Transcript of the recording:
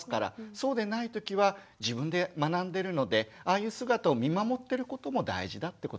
そうでない時は自分で学んでるのでああいう姿を見守ってることも大事だってことですね。